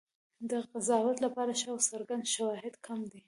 د قضاوت لپاره ښه او څرګند شواهد کم دي.